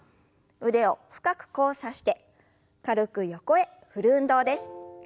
腕を深く交差して軽く横へ振る運動です。